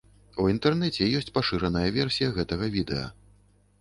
У інтэрнэце ёсць пашыраная версія гэтага відэа.